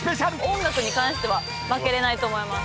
音楽に関しては負けれないと思います。